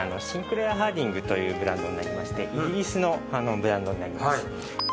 シンクレアハーディングというブランドになりましてイギリスのブランドになります。